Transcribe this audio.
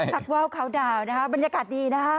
ปรักวาวเค้าดาวบรรยากาศดีน่ะ